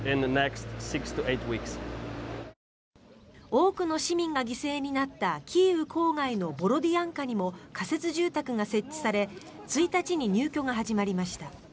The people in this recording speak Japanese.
多くの市民が犠牲になったキーウ郊外のボロディアンカにも仮設住宅が設置され１日に入居が始まりました。